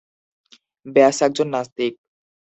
ব্যাস একজন নাস্তিক।